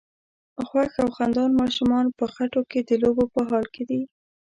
خوښ او خندان ماشومان په خټو کې د لوبو په حال کې دي.